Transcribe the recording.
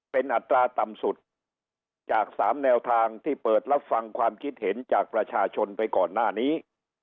เป็นอัตราต่ำสุดจาก๓แนวทางที่เปิดรับฟังความคิดเห็นจากประชาชนไปก่อนหน้านี้